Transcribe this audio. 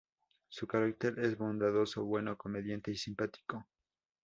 Su carácter es bondadoso, bueno, comediante y simpático.